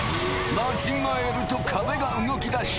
間違えると壁が動き出し